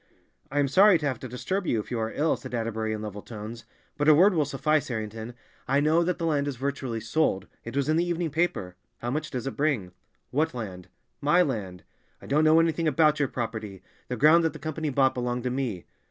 "I am sorry to have to disturb you if you are ill," said Atterbury in level tones, "but a word will suffice, Harrington. I know that the land is virtually sold—it was in the evening paper. How much does it bring?" "What land?" "My land." "I don't know anything about your property; the ground that the Company bought belonged to me."